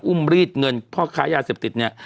อุ้มรีดเงินเพราะค้ายาเสพติดเนี่ย